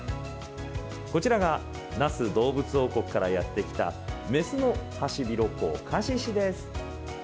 こちらが那須どうぶつ王国からやって来た、雌のハシビロコウ、カシシです。